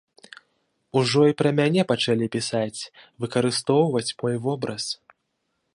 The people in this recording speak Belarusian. Ужо і пра мяне пачалі пісаць, выкарыстоўваць мой вобраз.